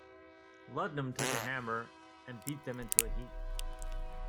Ludnam took a hammer and "beat them into a heap".